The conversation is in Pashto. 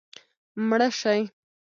مړه شي